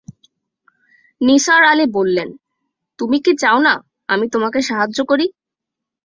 নিসার আলি বললেন, তুমি কি চাও না, আমি তোমাকে সাহায্য করি?